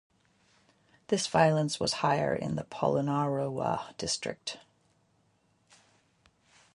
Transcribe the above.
This violence were higher in the Polonnaruwa district.